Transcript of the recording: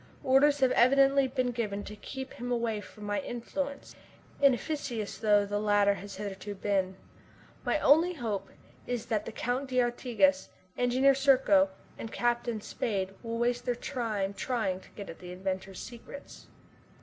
Orders have evidently been given to keep him away from my influence, inefficacious though the latter has hitherto been. My only hope is that the Count d'Artigas, Engineer Serko, and Captain Spade will waste their time trying to get at the inventor's secrets.